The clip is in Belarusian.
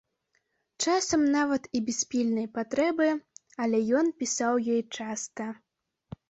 Часам нават і без пільнай патрэбы, але ён пісаў ёй часта.